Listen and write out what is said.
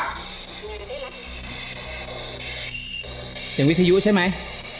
เสียงวิทยุใช่ไหม